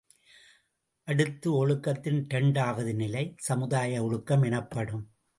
அடுத்து ஒழுக்கத்தின் இரண்டாவது நிலை, சமுதாய ஒழுக்கம் எனப்படும்.